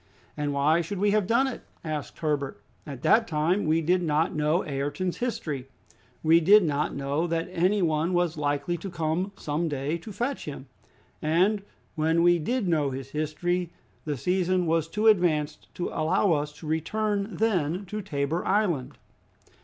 "And why should we have done it?" asked Herbert. "At that time we did not know Ayrton's history; we did not know that any one was likely to come some day to fetch him, and when we did know his history, the season was too advanced to allow us to return then to Tabor Island."